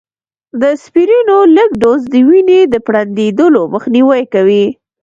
د اسپرينو لږ ډوز، د وینې د پرنډېدلو مخنیوی کوي